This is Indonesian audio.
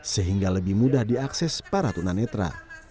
sehingga lebih mudah diakses para tunanetra